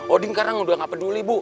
odin sekarang udah gak peduli